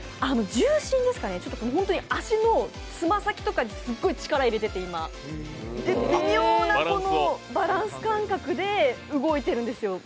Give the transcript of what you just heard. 重心ですかね、足の爪先とかにすっごい力を入れてて微妙なバランス感覚で動いているんですよ。